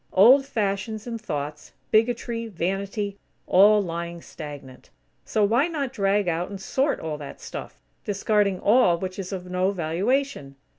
Old fashions in thoughts; bigotry; vanity; all lying stagnant. So why not drag out and sort all that stuff, discarding all which is of no valuation?